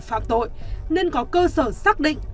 phạm tội nên có cơ sở xác định